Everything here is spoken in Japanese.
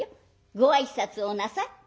ご挨拶をなさい」。